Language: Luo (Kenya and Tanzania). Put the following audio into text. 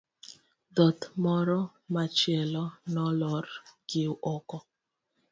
dhot moro machielo nolor gi oko